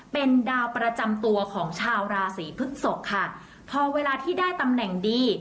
เป็นดาวประจำตัวของชาวราศีพฤกษกค่ะพอเวลาที่ได้ตำแหน่งดี